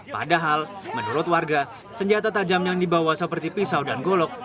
padahal menurut warga senjata tajam yang dibawa seperti pisau dan golok